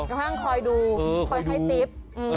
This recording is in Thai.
อยู่ข้างล่างคอยดูคอยให้ติ๊ก